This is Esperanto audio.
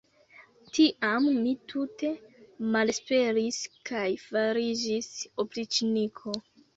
Tiam mi tute malesperis kaj fariĝis opriĉniko.